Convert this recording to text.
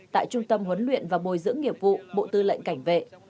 tại trung tâm huấn luyện và bồi dưỡng nghiệp vụ bộ tư lệnh cảnh vệ